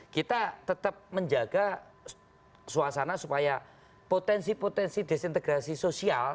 kita tetap menjaga suasana supaya potensi potensi desintegrasi sosial